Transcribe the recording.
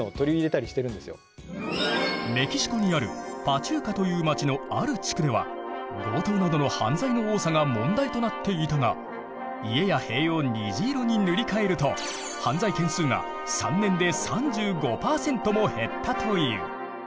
メキシコにあるパチューカという町のある地区では強盗などの犯罪の多さが問題となっていたが家や塀を虹色に塗り替えると犯罪件数が３年で３５％も減ったという。